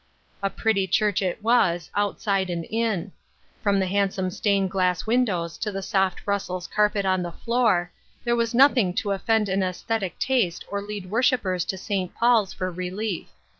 A pretty church it was, outside and in ; from the handsome stained glass windows to the soft Brussels carpet on the floor, there was nothing to offend an aesthetic taste or lead worshipers to St. Paul's for relief.